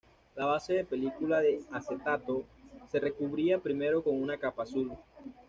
La base de película de acetato se recubría primero con una capa azul.